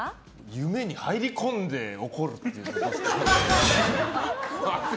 夢に入り込んで怒るってどうですか。